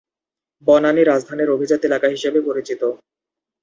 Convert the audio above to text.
বনানী রাজধানীর অভিজাত এলাকা হিসেবে পরিচিত।